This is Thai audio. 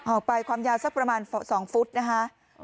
ออกไปความยาวสักประมาณ๒ฟุตนะคะ